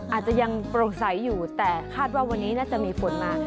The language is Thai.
อาจจะยังโปร่งใสอยู่แต่คาดว่าวันนี้น่าจะมีฝนมา